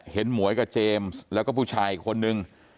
เห็นหมวยกับเจมส์แล้วก็ผู้ชายคนหนึ่ง